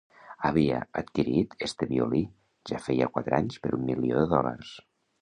Havia adquirit este violí ja feia quatre anys per un milió de dòlars.